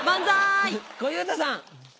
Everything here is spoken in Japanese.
小遊三さん。